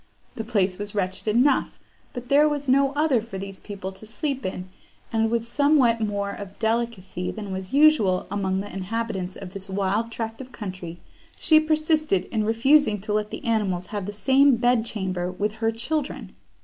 The place was wretched enough, but there was no other for these people to sleep in; and, with somewhat more of delicacy than was usual among the inhabitants of this wild tract of country, she persisted in refusing to let the animals have the same bed chamber with her children.